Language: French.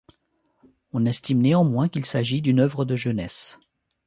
On estime néanmoins qu'il s'agit d'une œuvre de jeunesse.